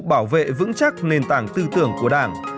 bảo vệ vững chắc nền tảng tư tưởng của đảng